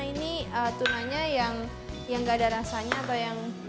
ini tunanya yang gak ada rasanya atau yang